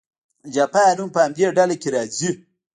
جاپان هم په همدې ډله کې راځي.